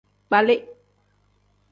Kpali.